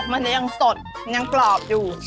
มันยังสดยังกรอบอยู่